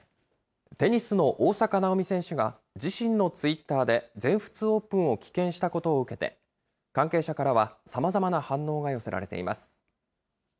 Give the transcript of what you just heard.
テニスの大坂なおみ選手が、自身のツイッターで全仏オープンを棄権したことを受けて、関係者からは、さまざまな反応が寄せられています。